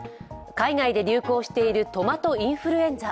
海外で流行しているトマトインフルエンザ。